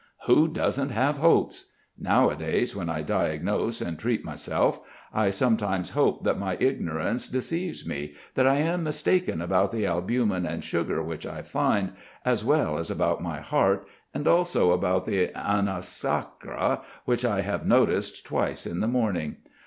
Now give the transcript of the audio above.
Who doesn't have hopes? Nowadays, when I diagnose and treat myself, I sometimes hope that my ignorance deceives me, that I am mistaken about the albumen and sugar which I find, as well as about my heart, and also about the anasarca which I have noticed twice in the morning.